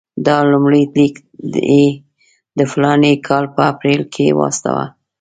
دا لومړی لیک یې د فلاني کال په اپرېل کې واستاوه.